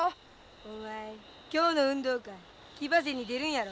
お前今日の運動会騎馬戦に出るんやろ？